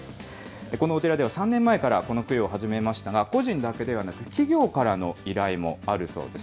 このお寺では３年前から、この供養を始めましたが、個人だけではなく、企業からの依頼もあるそうです。